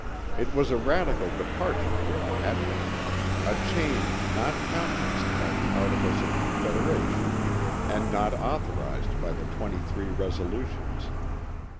It was a radical departure from what had been; a change not countenanced by the Articles of Confederation and not authorized by the 23 resolutions.